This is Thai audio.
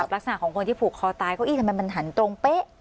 รักษณะของคนที่ผูกคอตายคือเป๊ะสำหรับบ้านสันตรง